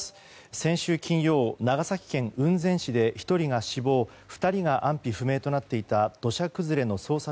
先週金曜、長崎県雲仙市で１人が死亡２人が安否不明となっていた土砂崩れの捜索